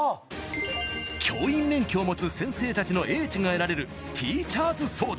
教員免許を持つ先生たちの英知が得られるティーチャーズソード